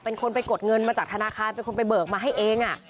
เป็นคนไปกดเงินมาจากธนาคารเป็นคนไปเบิกมาให้เอง